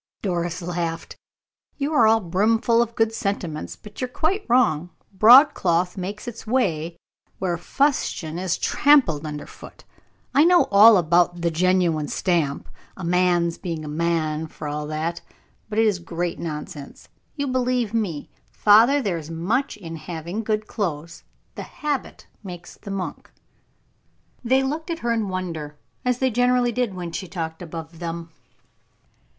Doris laughed. "You are all brimful of good sentiments, but you are quite wrong; broadcloth makes its way where fustian is trampled under foot. I know all about the genuine stamp, a man's being a man for all that; but it is great nonsense. You believe me, father, there is much in having good clothes the habit makes the monk." They looked at her in wonder, as they generally did when she talked above them.